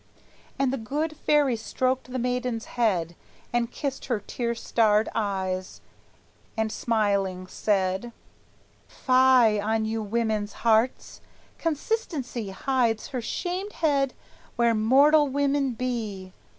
And the good fairy stroked the maiden's head And kissed her tear starred eyes, and smiling said: "Fie on you women's hearts! Consistency Hides her shamed head where mortal women be!